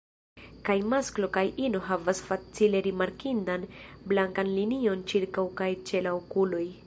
Kaj masklo kaj ino havas facile rimarkindan blankan linion ĉirkaŭ kaj ĉe la okuloj.